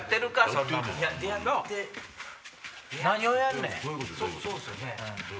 そうですよね。